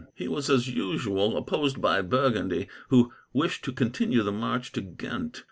He was, as usual, opposed by Burgundy, who wished to continue the march to Ghent.